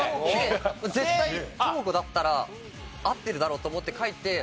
絶対トーゴだったら合ってるだろと思って書いて。